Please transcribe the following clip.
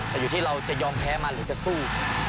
แต่อยู่ที่เราจะยอมแพ้มันหรือจะสู้